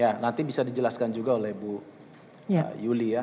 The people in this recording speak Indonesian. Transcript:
ya nanti bisa dijelaskan juga oleh bu yuli ya